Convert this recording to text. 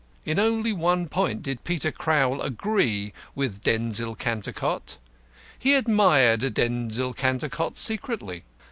In only one point did Peter Crowl agree with Denzil Cantercot he admired Denzil Cantercot secretly.